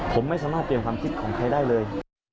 ผมไม่สามารถเปลี่ยนความคิดของใครได้เลย